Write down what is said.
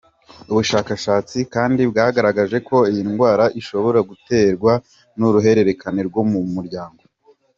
Ubushakashatsi kandi bwagaragaje ko iyi ndwara ishobora guterwa n’uruhererekane rwo mu muryango.